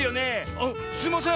「あっすいません